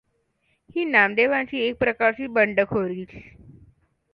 ही नामदेवांची एक प्रकारची बंडखोरीच.